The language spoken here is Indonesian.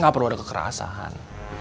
gak perlu ada kekerasan